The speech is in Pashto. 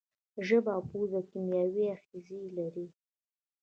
ژبه او پزه کیمیاوي آخذې لري.